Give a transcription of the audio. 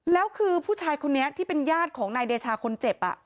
แล้วคือผู้ชายคนนี้ที่เป็นญาติของนายเดชาคนเจ็บ